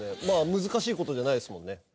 まあ難しいことじゃないですもんね。